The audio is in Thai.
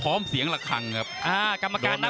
พี่น้องอ่ะพี่น้องอ่ะ